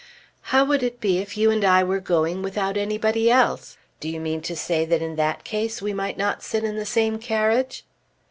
"How would it be if you and I were going without anybody else? Do you mean to say that in that case we might not sit in the same carriage?"